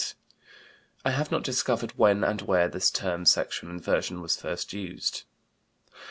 I have not discovered when and where the term "sexual inversion" was first used.